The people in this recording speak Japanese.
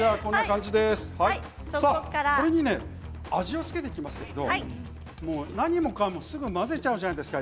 これに味を付けていきますけれども何もかもすぐに混ぜちゃうじゃないですか